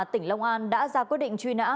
tỉnh long an đã ra quyết định truy nã